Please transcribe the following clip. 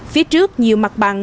phía trước nhiều mặt bằng